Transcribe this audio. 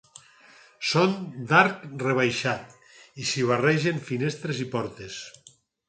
Són d'arc rebaixat i s'hi barregen finestres i portes.